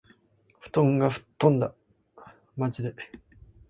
布団が吹っ飛んだ。（まじで）